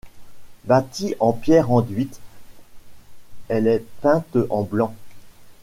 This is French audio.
Bâtie en pierre enduite, elle est peinte en blanc.